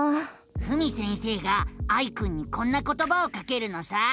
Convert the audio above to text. ふみ先生がアイくんにこんなことばをかけるのさ。